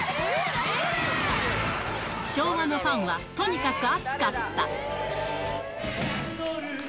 昭和のファンは、とにかく熱かった。